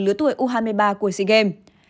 lứa tuổi u hai mươi ba của sea games